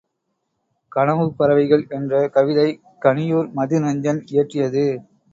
கனவுப் பறவைகள் என்ற கவிதை கணியூர் மது நெஞ்சன் இயற்றியது.